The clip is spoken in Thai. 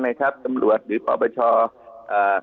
นะครับสำรวจหรือปรบัชชา